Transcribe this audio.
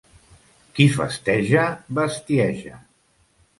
Qui festeja, bestieja.